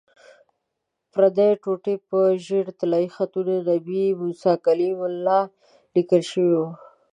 پردې ټوټې په ژېړو طلایي خطونو 'نبي موسی کلیم الله' لیکل شوي وو.